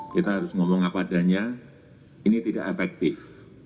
kita harus ngomong apa adanya ini tidak efektif